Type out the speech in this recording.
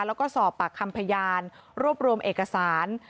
แล้วก็สอบปากคำพยานรวบรวมเอกสาร